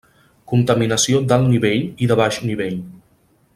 Contaminació d’alt nivell i de baix nivell.